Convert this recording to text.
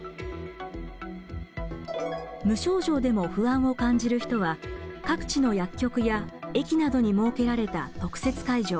無症状でも不安を感じる人は各地の薬局や駅などに設けられた特設会場